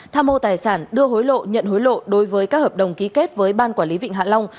tham mô tài sản đưa hối lộ nhận hối lộ đối với các hợp đồng ký kết với ban quản lý vịnh hạ long